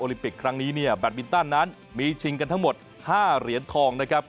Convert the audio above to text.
ลิปิกครั้งนี้เนี่ยแบตมินตันนั้นมีชิงกันทั้งหมด๕เหรียญทองนะครับ